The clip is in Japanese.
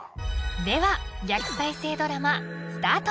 ［では逆再生ドラマスタート］